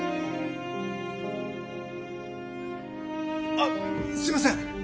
あっすみません。